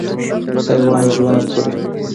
حیوان ژوند ژغوري.